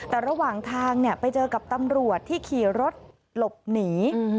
แต่ระหว่างทางไปเจอกับตำรวจที่ขี่รถหลบหนี